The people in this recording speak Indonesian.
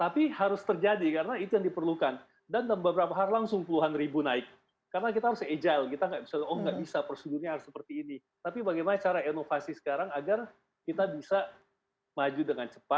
pasti lah apalagi sekarang siapa